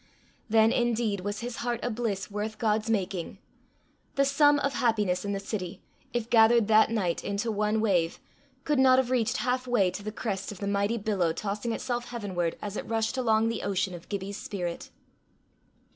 Then indeed was his heart a bliss worth God's making. The sum of happiness in the city, if gathered that night into one wave, could not have reached half way to the crest of the mighty billow tossing itself heavenward as it rushed along the ocean of Gibbie's spirit.